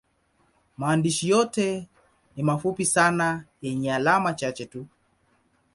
Maandishi yote ni mafupi sana yenye alama chache tu.